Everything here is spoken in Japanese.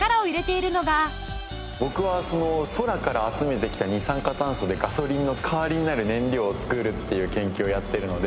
僕は空から集めてきた二酸化炭素でガソリンの代わりになる燃料を作るという研究をやってるので。